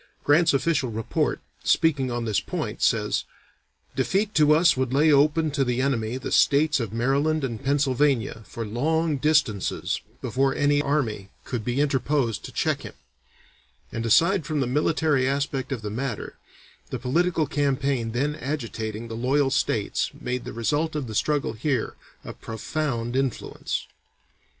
Grant's official report, speaking on this point, says: "Defeat to us would lay open to the enemy the states of Maryland and Pennsylvania for long distances before another army could be interposed to check him," and aside from the military aspect of the matter, the political campaign then agitating the loyal states made the result of the struggle here of profound influence.